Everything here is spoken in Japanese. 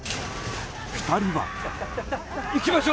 ２人は。